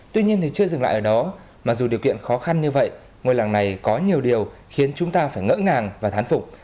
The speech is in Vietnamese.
tuy nhiên thì chưa dừng lại ở đó mặc dù điều kiện khó khăn như vậy ngôi làng này có nhiều điều khiến chúng ta phải ngỡ ngàng và thán phục